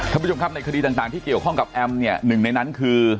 ท่านผู้ชมครับในคดีต่างที่เกี่ยวข้องกับแอมเนี่ยหนึ่งในนั้นคือ